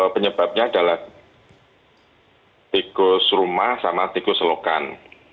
penyebabnya adalah tikus rumah sama tikus selokan